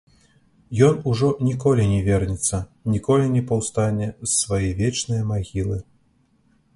Ён ужо ніколі не вернецца, ніколі не паўстане з свае вечнай магілы.